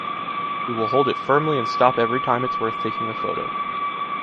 We will hold it firmly and stop every time it’s worth taking the photo.